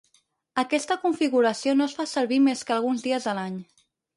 Aquesta configuració no es fa servir més que alguns dies a l'any.